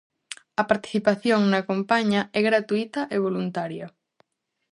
A participación na campaña é gratuíta e voluntaria.